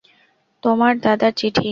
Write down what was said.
তোমার দাদার চিঠি।